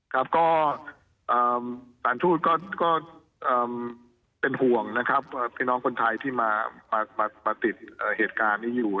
ครับก็สถานทูตก็เป็นห่วงนะครับว่าพี่น้องคนไทยที่มาติดเหตุการณ์นี้อยู่